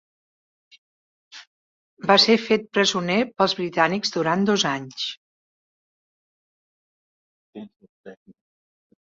Va ser fet presoner pels britànics durant dos anys.